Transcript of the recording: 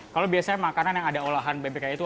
kalau biasanya makanan yang ada olahan bebeknya itu